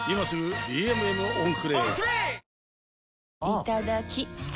いただきっ！